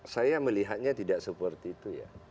saya melihatnya tidak seperti itu ya